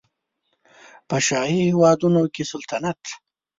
په شاهي هېوادونو کې سلطنت